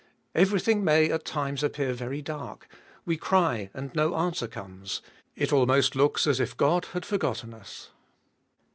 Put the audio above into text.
Everything may at times appear very dark ; we cry and no answer comes ; it almost looks as if God had forgotten us.